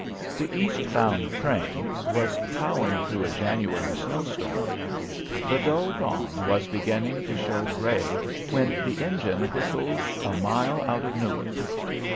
The east bound train was ploughing through a January snow storm; the dull dawn was beginning to show grey when the engine whistled a mile out of Newark.